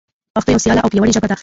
پښتو یوه سیاله او پیاوړي ژبه ده.